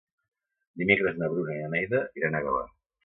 Dimecres na Bruna i na Neida iran a Gavà.